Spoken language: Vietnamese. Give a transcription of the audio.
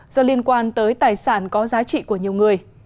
do liên quan tới tài sản có giá trị của nhiều người